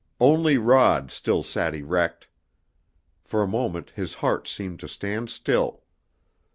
Only Rod still sat erect. For a moment his heart seemed to stand still.